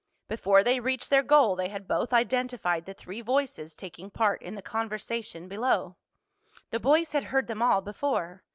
Before they reached their goal they had both identified the three voices taking part in the conversation below. The boys had heard them all before.